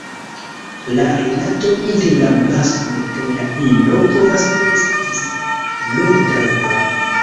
La rilato inter la masklo kaj la ino povas estis longdaŭra.